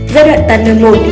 giai đoạn tam nơ một